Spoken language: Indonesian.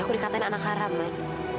aku dikatakan anak haram man